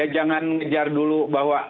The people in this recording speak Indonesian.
jangan mengejar dulu bahwa